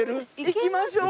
行きましょう。